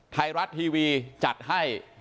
ไทยรัฐทีวีจัดให้